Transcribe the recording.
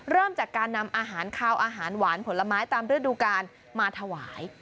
เริ่มจากการนำอาหารคาวอาหารหวานผลไม้ตามฤดูกาลมาถวาย